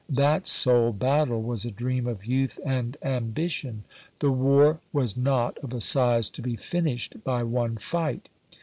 That sole battle was a dream of youth and ambition ; the war was not of a size to be finished by one fight.